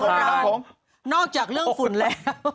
ประเทศไงพวกเรา